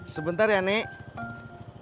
sebentar ya nek